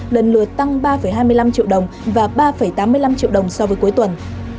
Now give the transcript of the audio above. lần lượt tăng ba hai mươi năm triệu đồng và ba tám mươi năm triệu đồng so với cuối tuần